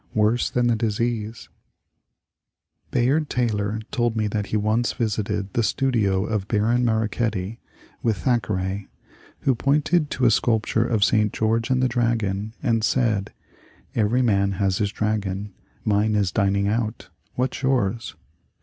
CRUIKSHANK AND THACKERAY 6 Bayard Taylor told me that he once visited the studio of Baron Marochetti with Thackeray, who pointed to a sculpture of St. George and the Dragon and said, ^^ Every man has his dragon ; mine is dining out ; what *s yours